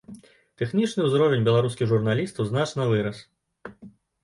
Тэхнічны ўзровень беларускіх журналістаў значна вырас.